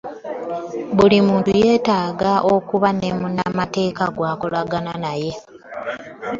Buli muntu yeetaaga okuba ne munnamateeka gw'akolagana naye.